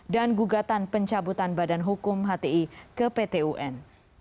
dan gugatan pencabutan badan hukum hti ke pt un